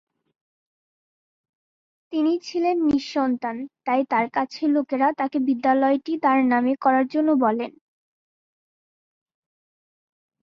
তিনি ছিলেন নিঃসন্তান তাই তার কাছের লোকেরা তাকে বিদ্যালয়টি তার নামে করার জন্য বলেন।